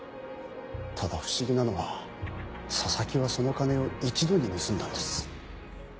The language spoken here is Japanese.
ただ不思議なのは佐々木はその金を一度に盗んだんです。